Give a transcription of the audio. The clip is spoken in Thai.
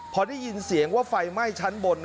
พอได้ยินเสียงว่าไฟไหม้ชั้นบน